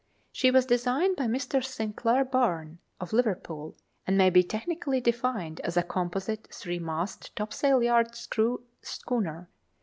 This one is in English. She was designed by Mr. St. Clare Byrne, of Liverpool, and may be technically defined as a composite three masted topsail yard screw schooner.